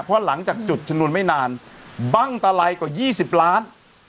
เพราะหลังจากจุดฉนวนไม่นานบั้งตะไลล์กว่ายี่สิบล้าน